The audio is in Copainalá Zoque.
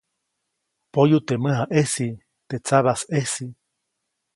Poyu teʼ mäjaʼejsi. teʼ sabajsʼejsi.